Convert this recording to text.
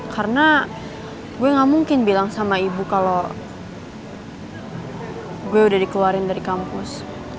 karena gue gak mungkin bilang sama ibu kalo gue udah dikeluarin dari kampus